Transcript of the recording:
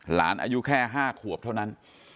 อายุแค่๕ขวบเท่านั้น